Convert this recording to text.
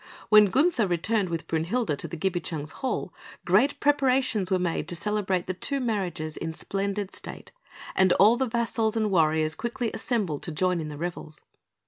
When Gunther returned with Brünhilde to the Gibichungs' Hall, great preparations were made to celebrate the two marriages in splendid state, and all the vassals and warriors quickly assembled to join in the revels.